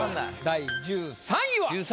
第１３位は！